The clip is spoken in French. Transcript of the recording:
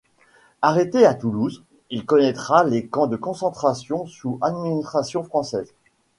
Arrêté à Toulouse, il connaîtra les camps de concentration sous administration française.